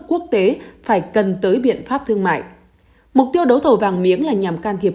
quốc tế phải cần tới biện pháp thương mại mục tiêu đấu thầu vàng miếng là nhằm can thiệp